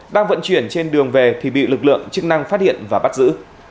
đang vận chuyển trên đường về thì bị lực lượng chức năng phát hiện và bắt giữ